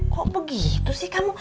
kok begitu sih kamu